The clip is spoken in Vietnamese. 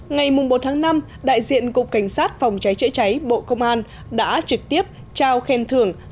ngày một tháng năm đại diện cục cảnh sát phòng cháy chữa cháy bộ công an đã trực tiếp trao khen thưởng